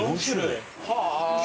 はあ。